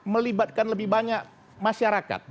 melibatkan lebih banyak masyarakat